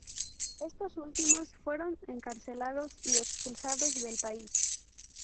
Estos últimos fueron encarcelados y expulsados del país.